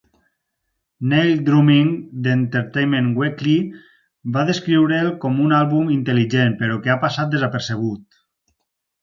Neil Drumming d'"Entertainment Weekly" va descriure'l com "un àlbum intel·ligent, però que ha passat desapercebut".